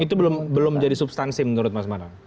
itu belum jadi substansi menurut mas manang